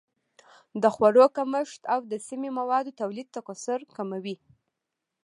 د خوړو کمښت او د سمي موادو تولید تکثر کموي.